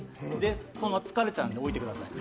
そのままだと疲れちゃうので、置いてください。